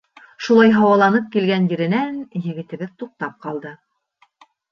Шулай һауаланып килгән еренән егетебеҙ туҡтап ҡалды.